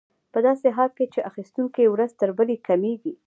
په داسې حال کې چې اخیستونکي ورځ تر بلې کمېږي